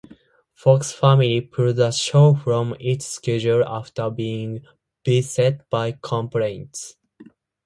Fox Family pulled the show from its schedule after being beset by complaints.